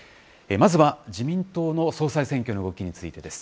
まずは自民党の総裁選挙の動きについてです。